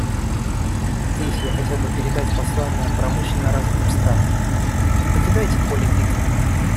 Здесь я хотел бы передать послание промышленно развитым странам: «Не покидайте поле битвы».